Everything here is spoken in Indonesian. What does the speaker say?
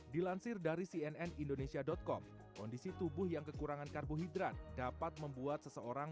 dilansir dari cnn indonesia com kondisi tubuh yang kekurangan karbohidrat dapat membuat seseorang